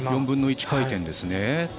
４分の１回転ですね。